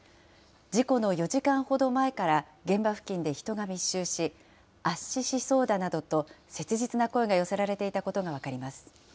事故の４時間ほど前から、現場付近で人が密集し、圧死しそうだなどと、切実な声が寄せられていたことが分かります。